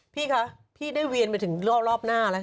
พี่คะพี่ได้เวียนไปถึงรอบหน้าแล้ว